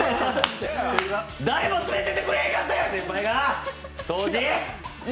誰も連れてってくれへんかったんや、当時！